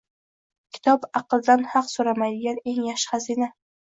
Kitob – aqldan haq so‘ramaydigan eng yaxshi xazina